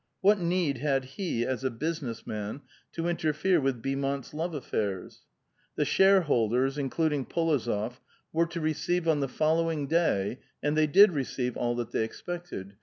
What need had he, as a business man, to interfere with Beaumont's love affairs?) The shareholders, including P6Iozof, were to re ceive, on the following day (and the^' did receive all that they expected.